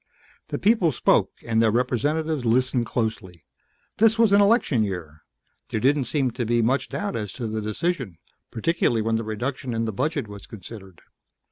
The people spoke and their representatives listened closely. This was an election year. There didn't seem to be much doubt as to the decision, particularly when the reduction in the budget was considered.